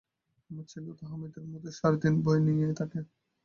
আমার ছেলেও তাহমিদের মতো সারাদিন বই নিয়েই থাকে।